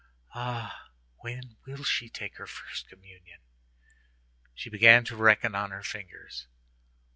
Ah! when will she take her first communion?" She began to reckon on her fingers.